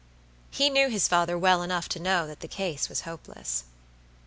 He knew his father well enough to know that the case was hopeless.